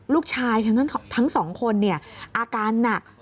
ลูกชายทั้งสองคนอาการหนัก